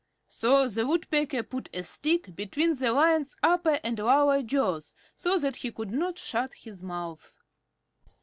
So the Woodpecker put a stick between the Lion's upper and lower jaws so that he could not shut his mouth.